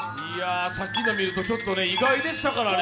さっきの見ると、ちょっと意外でしたからね。